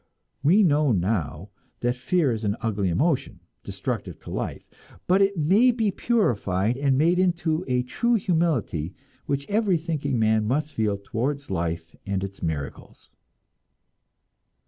We know now that fear is an ugly emotion, destructive to life; but it may be purified and made into a true humility, which every thinking man must feel towards life and its miracles.